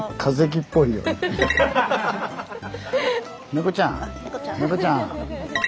猫ちゃん猫ちゃん。